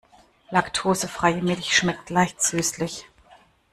Laktosefreie Milch schmeckt leicht süßlich.